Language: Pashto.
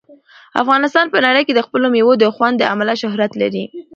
افغانستان په نړۍ کې د خپلو مېوو د خوند له امله شهرت لري.